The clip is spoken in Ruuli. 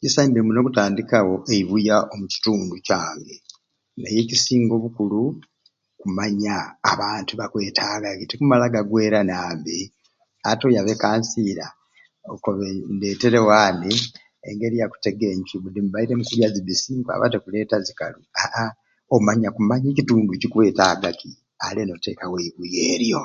Kisa mbe muno okutandikawo eibua omu kitundu kyange naye ekusinga obukulu kumanya abantu ki bakwetaaga tukumala ga gwerana mbe ati n'oyaba e kansiira okobe ndeeterewo ani engeri yakutega encwi budi mubaire mukuzirya zibbisi nkwaba te kuleeta zikalu aa omanya kumanya e kitundu kikwetaagaki ale n'oteekawo eibua elyo.